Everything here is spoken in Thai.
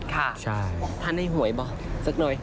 ค่ะถ้าได้หวยบ่สักหน่อย